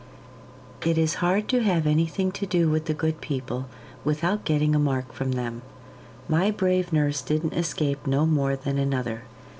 It is hard to have anything to do with the good people without getting a mark from them. My brave nurse didn't escape no more than another.